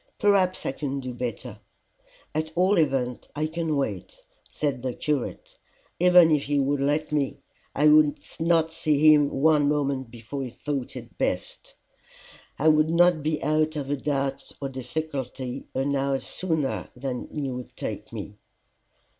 "Perhaps I can do better. And at all events I can wait," said the curate. "Even if he would let me, I would not see him one moment before he thought it best. I would not be out of a doubt or difficulty an hour sooner than he would take me."